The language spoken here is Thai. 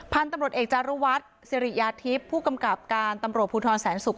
พันธุ์ตำรวจเอกจารุวัฒน์สิริยาทิพย์ผู้กำกับการตำรวจภูทรแสนศุกร์